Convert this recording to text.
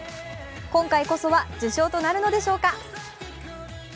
今回こそは受賞となるのでしょうか。